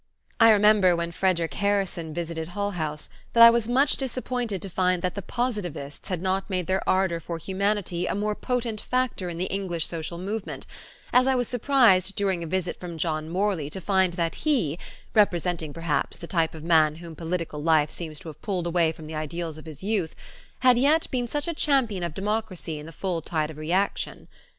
I remember when Frederick Harrison visited Hull House that I was much disappointed to find that the Positivists had not made their ardor for humanity a more potent factor in the English social movement, as I was surprised during a visit from John Morley to find that he, representing perhaps the type of man whom political life seemed to have pulled away from the ideals of his youth, had yet been such a champion of democracy in the full tide of reaction.